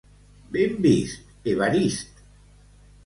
Ben vist, Evarist!